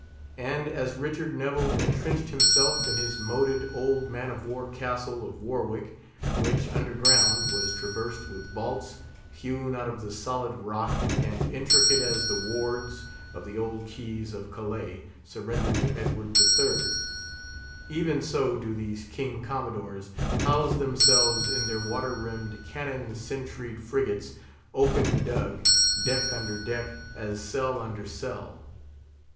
And as Richard Neville entrenched himself in his moated old man of war castle of Warwick, which, underground, was traversed with vaults, hewn out of the solid rock, and intricate as the wards of the old keys of Calais surrendered to Edward III.; even so do these King Commodores house themselves in their water rimmed, cannon sentried frigates, oaken dug, deck under deck, as cell under cell.